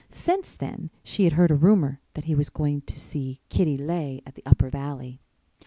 Since then she had heard a rumor that he was going to see Kitty Leigh at the Upper Valley.